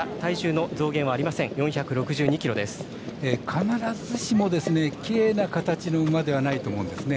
必ずしもきれいな形の馬ではないと思うんですね。